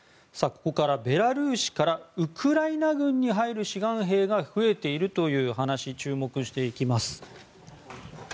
ここからベラルーシからウクライナ軍に入る志願兵が増えているという話注目していきます。